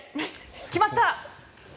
決まった！